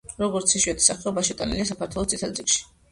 როგორც იშვიათი სახეობა, შეტანილია საქართველოს „წითელ წიგნში“.